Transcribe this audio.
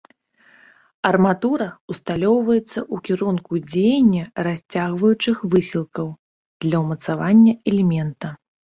Арматура усталёўваецца ў кірунку дзеяння расцягваючых высілкаў для ўмацавання элемента.